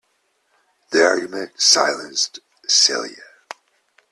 The argument silenced Celia.